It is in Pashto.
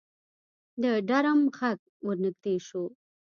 د ډرم غږ ورنږدې شو.